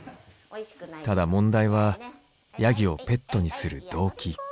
ただ問題はヤギをペットにする動機。